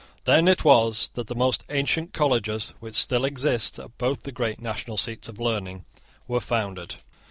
Then it was that the most ancient colleges which still exist at both the great national seats of learning were founded.